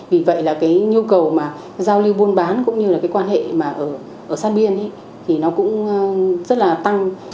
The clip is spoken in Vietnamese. vì vậy là cái nhu cầu mà giao lưu buôn bán cũng như là cái quan hệ mà ở sát biên thì nó cũng rất là tăng